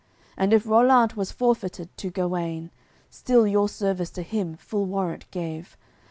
And if Rollant was forfeited to Guenes Still your service to him full warrant gave.